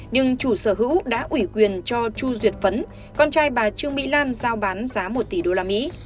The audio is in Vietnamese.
nhưng chủ sở hữu đã ủy quyền cho chu duyệt phấn con trai bà trương mỹ lan giao bán giá một tỷ usd